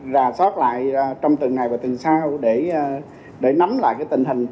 rà sót lại trong tuần này và tuần sau để nắm lại tình hình